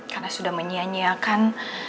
karena sudah menyianyiakan